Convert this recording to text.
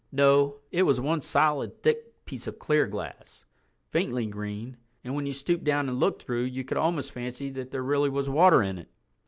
No, it was one solid thick piece of clear glass, faintly green, and when you stooped down and looked through you could almost fancy that there really was water in it.